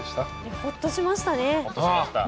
ほっとしましたね。